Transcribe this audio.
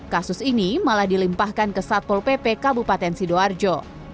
kasus ini malah dilimpahkan ke satpol pp kabupaten sidoarjo